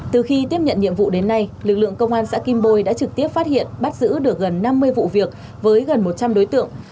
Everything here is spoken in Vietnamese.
từ khi tiếp nhận nhiệm vụ đến nay lực lượng công an xã kim bôi đã trực tiếp phát hiện bắt giữ được gần năm mươi vụ việc với gần một trăm linh đối tượng